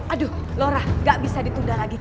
aduh lorah gak bisa ditunda lagi